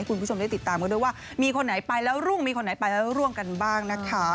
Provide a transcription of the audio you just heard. คุณผู้ชมได้ติดตามกันด้วยว่ามีคนไหนไปแล้วรุ่งมีคนไหนไปแล้วร่วงกันบ้างนะคะ